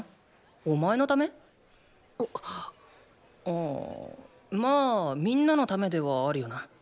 んーまあみんなのためではあるよな。